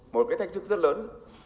một cái thách sức rất lớn